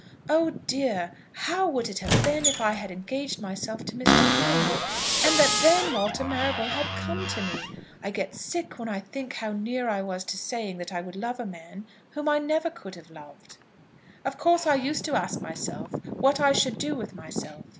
Oh, dear! how would it have been if I had engaged myself to Mr. Gilmore, and that then Walter Marrable had come to me! I get sick when I think how near I was to saying that I would love a man whom I never could have loved. Of course I used to ask myself what I should do with myself.